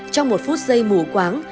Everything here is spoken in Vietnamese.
trong một phút giây mù quáng